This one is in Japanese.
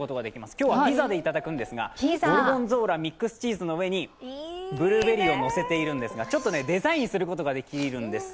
今日はピザでいただくんですが、ゴルゴンゾーラ、ミックスチーズの上にブルーベリーをのせているんですがデザインすることができるんです。